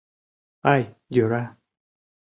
— Ай, йӧра...